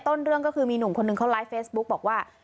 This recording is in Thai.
ต้นเรื่องก็คือมีหนุ่มคนนึงเขาไลฟ์เฟซบุ๊กบอกว่า